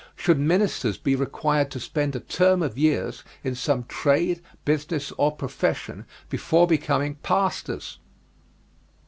Should ministers be required to spend a term of years in some trade, business, or profession, before becoming pastors?